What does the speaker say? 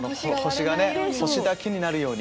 星だけになるように。